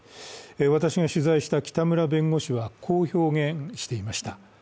私が取材した喜田村弁護士は、こう表現していました。